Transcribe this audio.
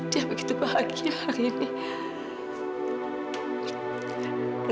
dia begitu bahagia hari ini